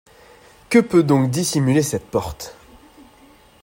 Que peut donc dissimuler cette porte?